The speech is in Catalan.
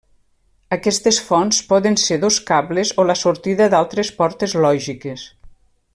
Aquestes fonts poden ser dos cables o la sortida d'altres portes lògiques.